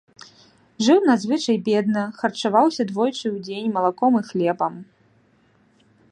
Жыў надзвычай бедна, харчаваўся двойчы ў дзень малаком і хлебам.